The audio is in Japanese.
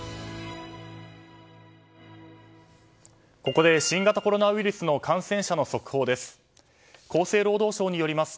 ここで新型コロナウイルスの感染者の速報です。